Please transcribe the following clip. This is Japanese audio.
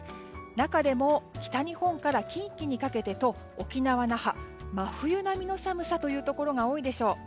中でも、北日本から近畿にかけてと沖縄・那覇真冬並みの寒さというところが多いでしょう。